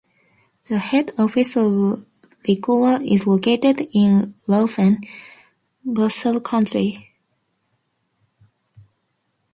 The head office of Ricola is located in Laufen, Basel-Country.